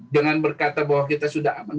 jangan berkata bahwa kita sudah aman